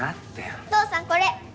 お父さんこれ。